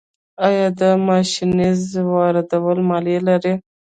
آیا د ماشینرۍ واردول مالیه لري؟